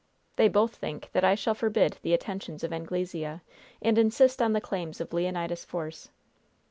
They both think that I shall forbid the attentions of Anglesea, and insist on the claims of Leonidas Force.